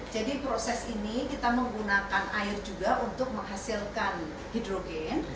jadi proses ini kita menggunakan air juga untuk menghasilkan hidrogen